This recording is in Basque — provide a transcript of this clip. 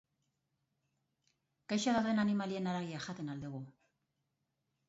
Gaixo dauden animalien haragia jaten al dugu?